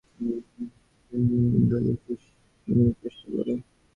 তোমরা নিজেদের মুক্তির জন্য অধ্যবসায়ের সঙ্গে চেষ্টা কর।